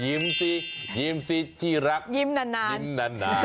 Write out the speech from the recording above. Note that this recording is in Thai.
ยิ้มสิยิ้มสิที่รักยิ้มนาน